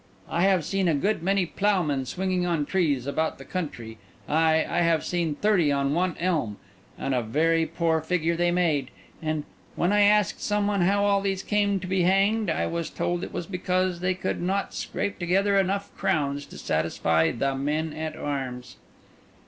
I have seen a good many ploughmen swinging on trees about the country, ay, I have seen thirty on one elm, and a very poor figure they made; and when I asked some one how all these came to be hanged, I was told it was because they could not scrape together enough crowns to satisfy the men at arms."